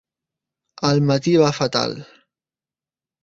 El matí va fatal.